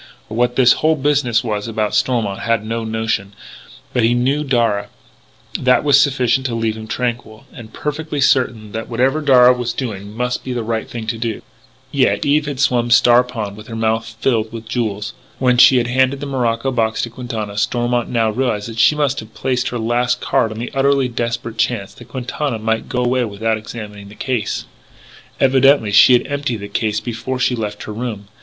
What this whole business was about Stormont had no notion. But he knew Darragh. That was sufficient to leave him tranquil, and perfectly certain that whatever Darragh was doing must be the right thing to do. Yet Eve had swum Star Pond with her mouth filled with jewels. When she had handed the morocco box to Quintana, Stormont now realised that she must have played her last card on the utterly desperate chance that Quintana might go away without examining the case. Evidently she had emptied the case before she left her room.